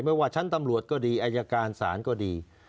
ว่าชั้นตำรวจก็ดีอายการศาลก็ดี